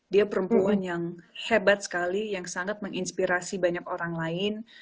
dia perempuan yang hebat sekali yang sangat menginspirasi banyak orang lain